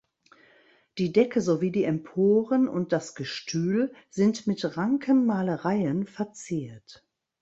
Die Decke sowie die Emporen und das Gestühl sind mit Rankenmalereien verziert.